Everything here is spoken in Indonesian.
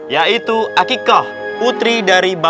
yaitu akikah putri dari bahasa indonesia